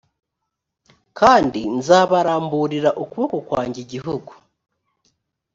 kandi nzabaramburira ukuboko kwanjye igihugu